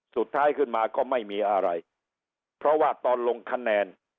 สุดท้ายขึ้นมาก็ไม่มีอะไรเพราะว่าตอนลงคะแนน